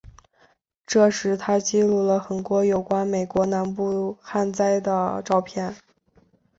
这时他记录了很多有关美国南部旱灾的照片。